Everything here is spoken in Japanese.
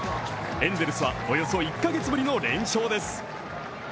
エンゼルスはおよそ１カ月ぶりの連勝です。